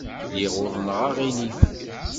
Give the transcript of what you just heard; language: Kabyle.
Lliɣ uḍneɣ aɣilif.